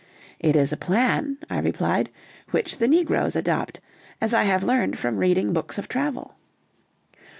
"It is a plan," I replied, "which the negroes adopt, as I have learned from reading books of travel."